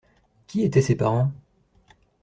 Qui étaient ses parents?